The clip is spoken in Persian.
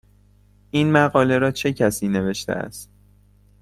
این مقاله را چه کسی نوشته است؟